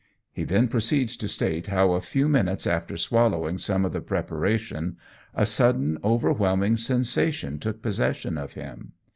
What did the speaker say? He then proceeds to state how a few minutes after swallowing some of the preparation, a sudden overwhelming sensation took possession of him.